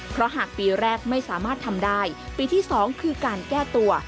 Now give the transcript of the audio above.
เพราะหากปีแรกไม่สามารถทำได้ปีที่๒คือการแก้ตัว